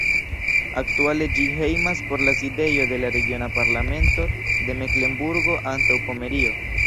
Aktuale ĝi hejmas por la sidejo de la Regiona Parlamento de Meklenburgo-Antaŭpomerio.